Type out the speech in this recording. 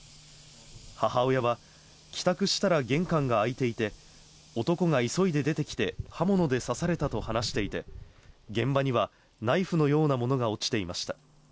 母親は、帰宅したら玄関が開いていて、男が急いで出てきて刃物で刺されたと話していて、現場にはナイフのようなものが落ちていました。